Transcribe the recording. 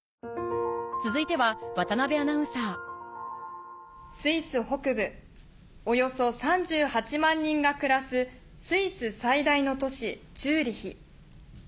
続いては渡アナウンサースイス北部およそ３８万人が暮らすスイス最大の都市チューリヒ。